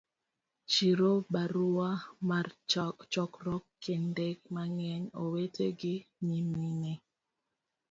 Chiwo barua mar chokruok, Kinde mang'eny, owete gi nyimine